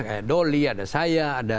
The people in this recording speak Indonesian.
kayak doli ada saya ada